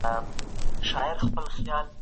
څه شی هوکړه له لوی ګواښ سره مخ کوي؟